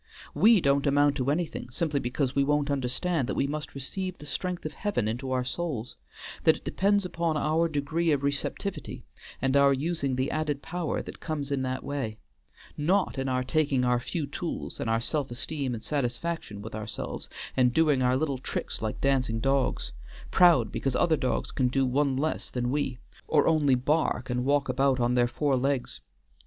We don't amount to anything, simply because we won't understand that we must receive the strength of Heaven into our souls; that it depends upon our degree of receptivity, and our using the added power that comes in that way; not in our taking our few tools, and our self esteem and satisfaction with ourselves, and doing our little tricks like dancing dogs; proud because the other dogs can do one less than we, or only bark and walk about on their four legs.